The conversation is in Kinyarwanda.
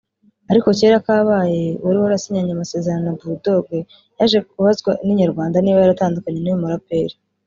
Ariko cyera kabaye uwari wasinyanye amasezerano na Bull Dogg yaje kubazwa na Inyarwanda niba yaratandukanye n’uyu muraperi